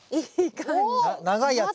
長いやつ。